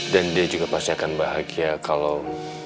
dan dia juga pasti akan bahagia kalau